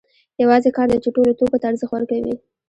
یوازې کار دی چې ټولو توکو ته ارزښت ورکوي